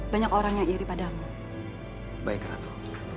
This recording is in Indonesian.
banyak orang yang ingin mencari ratu ratu